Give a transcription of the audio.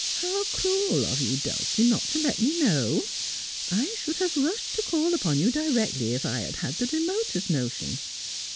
How cruel of you, Dulcie, not to let me know ! I should have rushed to call upon you directly if I had had Uie remotest notion.